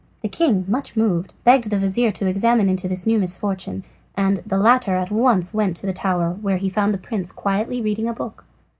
The king, much moved, begged the vizir to examine into this new misfortune, and the latter at once went to the tower, where he found the prince quietly reading a book.